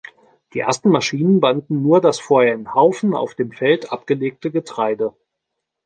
Die ersten Maschinen banden nur das vorher in Haufen auf dem Feld abgelegte Getreide.